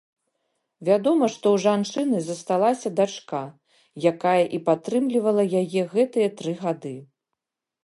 Вядома, што ў жанчыны засталася дачка, якая і падтрымлівала яе гэтыя тры гады.